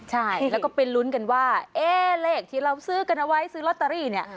ใช่แล้วก็ไปลุ้นกันว่าเอ๊ะเลขที่เราซื้อกันเอาไว้ซื้อลอตเตอรี่เนี่ย